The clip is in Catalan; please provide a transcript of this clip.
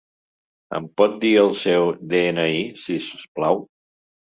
Em pot dir el seu de-ena-i, si us plau?